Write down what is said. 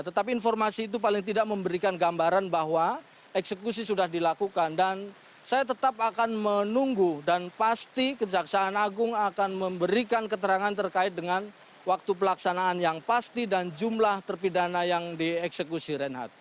tetapi informasi itu paling tidak memberikan gambaran bahwa eksekusi sudah dilakukan dan saya tetap akan menunggu dan pasti kejaksaan agung akan memberikan keterangan terkait dengan waktu pelaksanaan yang pasti dan jumlah terpidana yang dieksekusi reinhardt